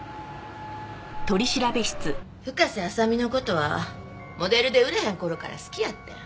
深瀬麻未の事はモデルで売れへん頃から好きやってん。